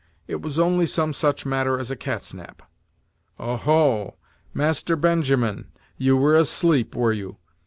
It was only some such matter as a cat's nap." "Oh, ho! Master Benjamin, you were asleep, were you?